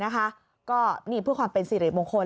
ก็นี่เพื่อความเป็นสิริมงคล